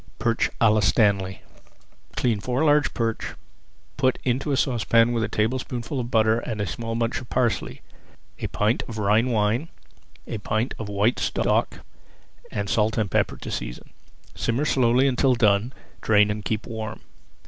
PERCH À LA STANLEY Clean four large perch, put into a saucepan with a tablespoonful of butter, a small bunch of parsley, a pint of Rhine wine, a pint [Page 239] of white stock, and salt and pepper to season. Simmer slowly until done, drain, and keep warm.